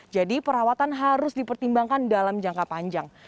jadi perawatan harus dipertimbangkan dalam jangka panjang